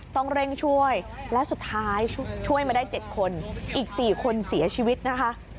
ต้องเร่งช่วยและสุดท้ายช่วยมาได้๗คนอีก๔คนเสียชีวิตนะคะ